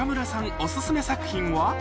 オススメ作品は？